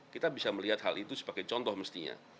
kita bisa melihat hal itu sebagai contoh mestinya